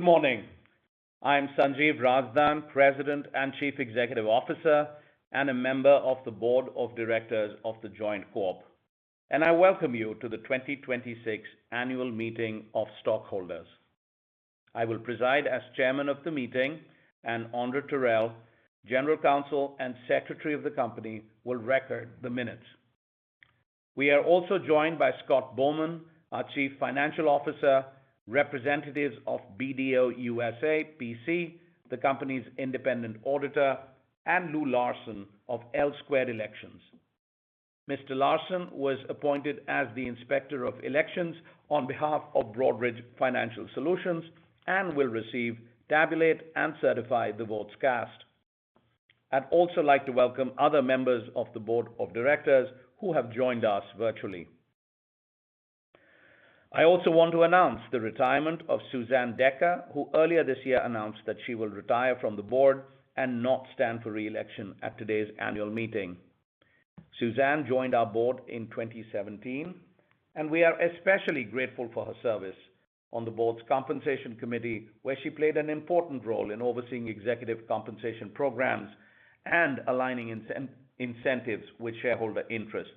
Good morning. I'm Sanjiv Razdan, President and Chief Executive Officer, and a member of the Board of Directors of The Joint Corp. I welcome you to the 2026 Annual Meeting of Stockholders. I will preside as Chairman of the meeting, and Andra Terrell, General Counsel and Secretary of the company, will record the minutes. We are also joined by Scott Bowman, our Chief Financial Officer, representatives of BDO USA, P.C., the company's independent auditor, and Louis Larson of L Squared Elections. Mr. Larson was appointed as the Inspector of Elections on behalf of Broadridge Financial Solutions and will receive, tabulate, and certify the votes cast. I'd also like to welcome other members of the Board of Directors who have joined us virtually. I also want to announce the retirement of Susanne Decker, who earlier this year announced that she will retire from the Board and not stand for re-election at today's annual meeting. Suzanne joined our Board in 2017, and we are especially grateful for her service on the Board's Compensation Committee, where she played an important role in overseeing executive compensation programs and aligning incentives with shareholder interests.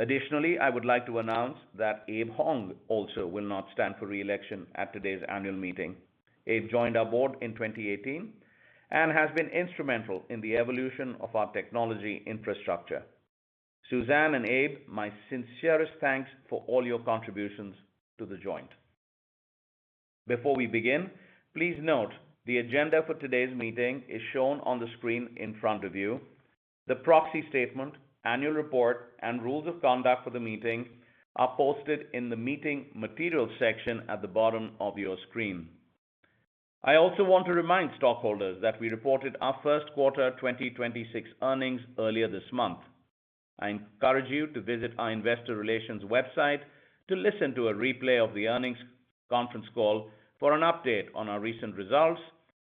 Additionally, I would like to announce that Abe Hong also will not stand for re-election at today's annual meeting. Abe joined our Board in 2018 and has been instrumental in the evolution of our technology infrastructure. Suzanne and Abe, my sincerest thanks for all your contributions to The Joint. Before we begin, please note the agenda for today's meeting is shown on the screen in front of you. The proxy statement, annual report, and rules of conduct for the meeting are posted in the Meeting Materials section at the bottom of your screen. I also want to remind stockholders that we reported our first quarter 2026 earnings earlier this month. I encourage you to visit our investor relations website to listen to a replay of the earnings conference call for an update on our recent results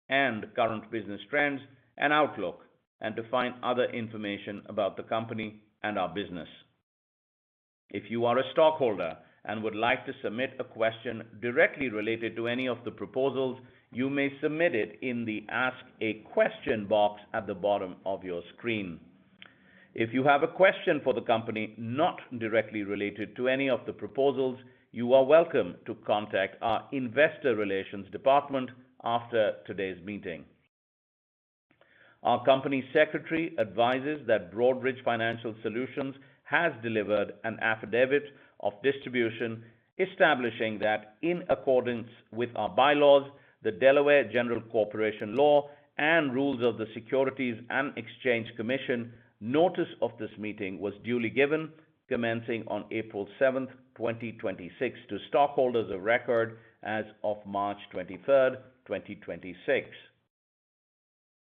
and current business trends and outlook, and to find other information about the company and our business. If you are a stockholder and would like to submit a question directly related to any of the proposals, you may submit it in the Ask a Question box at the bottom of your screen. If you have a question for the company not directly related to any of the proposals, you are welcome to contact our investor relations department after today's meeting. Our company secretary advises that Broadridge Financial Solutions has delivered an affidavit of distribution establishing that in accordance with our bylaws, the Delaware General Corporation Law and rules of the Securities and Exchange Commission, notice of this meeting was duly given commencing on April 7th, 2026, to stockholders of record as of March 23rd, 2026.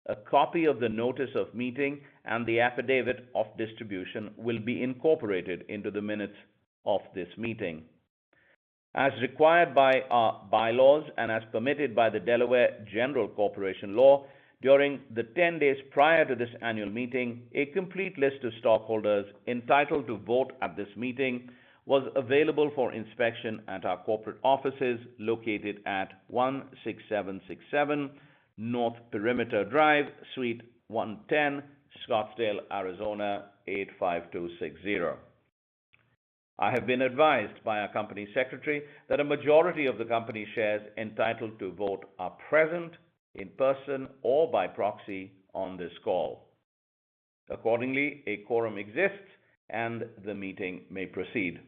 A copy of the notice of meeting and the affidavit of distribution will be incorporated into the minutes of this meeting. As required by our bylaws and as permitted by the Delaware General Corporation Law, during the 10 days prior to this annual meeting, a complete list of stockholders entitled to vote at this meeting was available for inspection at our corporate offices, located at 16767 North Perimeter Drive, Suite 110, Scottsdale, Arizona 85260. I have been advised by our company secretary that a majority of the company shares entitled to vote are present in person or by proxy on this call. Accordingly, a quorum exists and the meeting may proceed.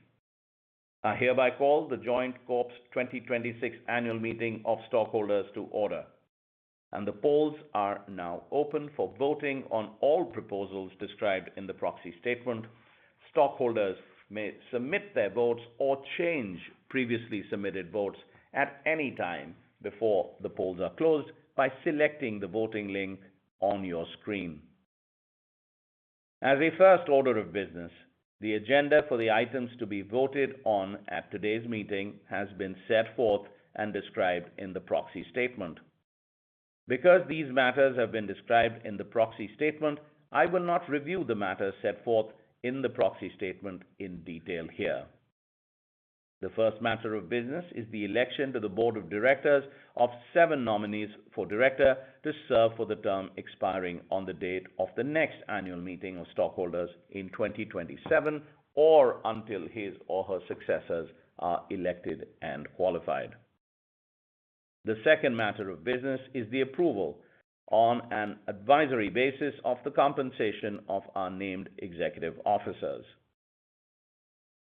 I hereby call The Joint Corp.'s 2026 Annual Meeting of Stockholders to order, and the polls are now open for voting on all proposals described in the proxy statement. Stockholders may submit their votes or change previously submitted votes at any time before the polls are closed by selecting the voting link on your screen. As a first order of business, the agenda for the items to be voted on at today's meeting has been set forth and described in the proxy statement. Because these matters have been described in the proxy statement, I will not review the matters set forth in the proxy statement in detail here. The first matter of business is the election to the Board of Directors of seven nominees for director to serve for the term expiring on the date of the next annual meeting of stockholders in 2027, or until his or her successors are elected and qualified. The second matter of business is the approval on an advisory basis of the compensation of our named executive officers.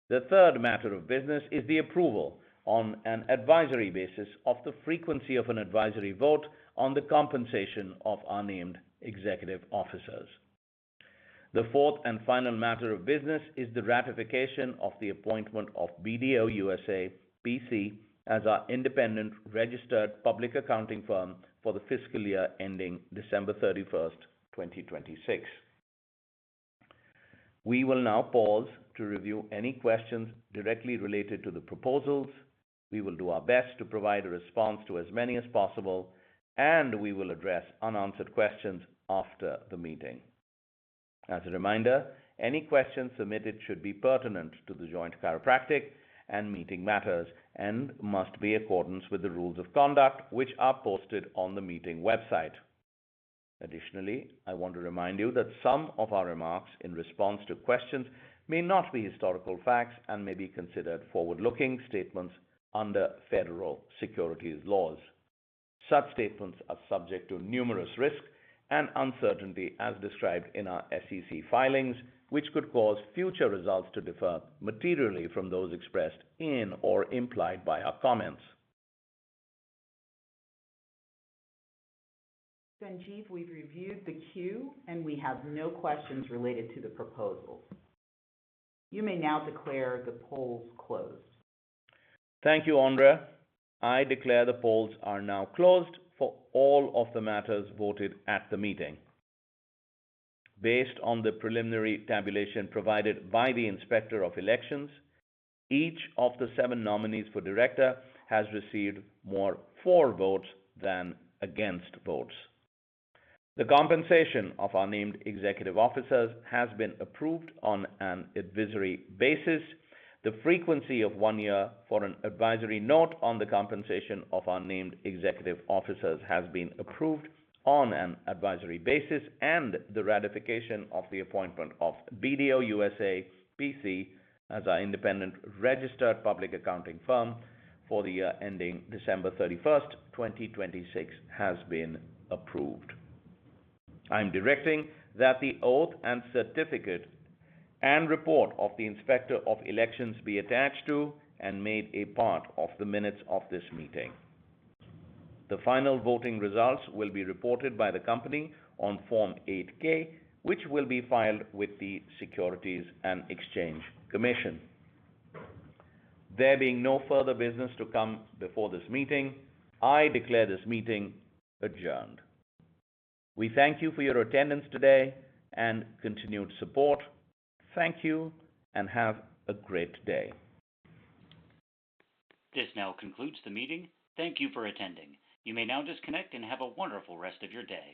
The third matter of business is the approval on an advisory basis of the frequency of an advisory vote on the compensation of our named executive officers. The fourth and final matter of business is the ratification of the appointment of BDO USA, P.C. as our independent registered public accounting firm for the fiscal year ending December 31st, 2026. We will now pause to review any questions directly related to the proposals. We will do our best to provide a response to as many as possible, and we will address unanswered questions after the meeting. As a reminder, any questions submitted should be pertinent to The Joint Chiropractic and meeting matters and must be in accordance with the rules of conduct, which are posted on the meeting website. Additionally, I want to remind you that some of our remarks in response to questions may not be historical facts and may be considered forward-looking statements under federal securities laws. Such statements are subject to numerous risks and uncertainty as described in our SEC filings, which could cause future results to differ materially from those expressed in or implied by our comments. Sanjiv, we've reviewed the queue, and we have no questions related to the proposal. You may now declare the polls closed. Thank you, Andra. I declare the polls are now closed for all of the matters voted at the meeting. Based on the preliminary tabulation provided by the Inspector of Elections, each of the seven nominees for director has received more for votes than against votes. The compensation of our named executive officers has been approved on an advisory basis. The frequency of one year for an advisory [vote] on the compensation of our named executive officers has been approved on an advisory basis, and the ratification of the appointment of BDO USA, P.C. as our independent registered public accounting firm for the year ending December 31st, 2026, has been approved. I am directing that the oath and certificate and report of the Inspector of Elections be attached to and made a part of the minutes of this meeting. The final voting results will be reported by the company on Form 8-K, which will be filed with the Securities and Exchange Commission. There being no further business to come before this meeting, I declare this meeting adjourned. We thank you for your attendance today and continued support. Thank you and have a great day. This now concludes the meeting. Thank you for attending. You may now disconnect and have a wonderful rest of your day.